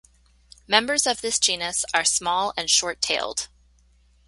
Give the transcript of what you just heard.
Members of this genus are small and short-tailed.